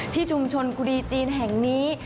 ที่ชุมชนกุดีจีนแห่งนี้